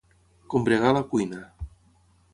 Combregar a la cuina.